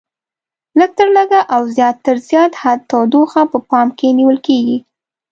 لږ تر لږه او زیات تر زیات حد تودوخه په پام کې نیول کېږي.